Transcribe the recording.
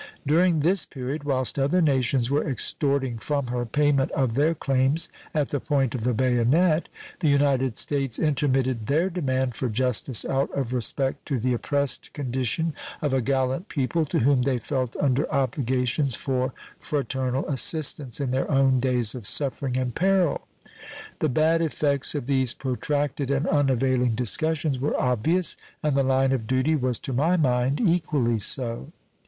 During this period, whilst other nations were extorting from her payment of their claims at the point of the bayonet, the United States intermitted their demand for justice out of respect to the oppressed condition of a gallant people to whom they felt under obligations for fraternal assistance in their own days of suffering and peril. The bad effects of these protracted and unavailing discussions, were obvious, and the line of duty was to my mind equally so.